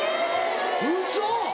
ウソ！